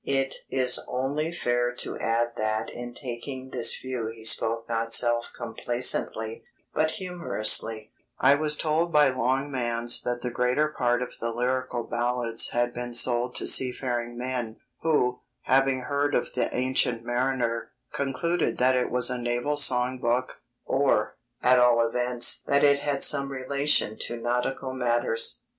It is only fair to add that in taking this view he spoke not self complacently, but humorously: I was told by Longmans that the greater part of the Lyrical Ballads had been sold to seafaring men, who, having heard of the Ancient Mariner, concluded that it was a naval song book, or, at all events, that it had some relation to nautical matters.